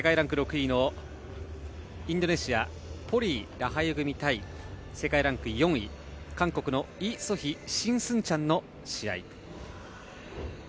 まず世界ランク６位のインドネシアポリイ、ラハユ組対世界ランク４位韓国のイ・ソヒシン・スンチャンの試合。